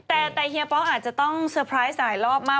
แต่เฮียป๊ออาจจะต้องเซอร์ไพรส์สายรอบมาก